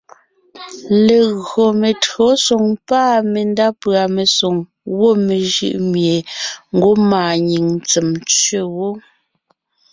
Legÿo metÿǒsoŋ pâ mendá pʉ̀a mesoŋ gwɔ̂ mejʉʼ mie ngwɔ́ maanyìŋ ntsèm tsẅe wó;